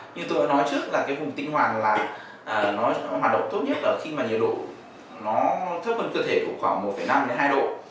như tôi đã nói trước là cái vùng tinh hoàng là nó hoạt động tốt nhất là khi mà nhiệt độ nó thấp hơn cơ thể của khoảng một năm đến hai độ